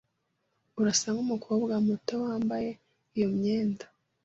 Urasa nkumukobwa muto wambaye iyo myenda.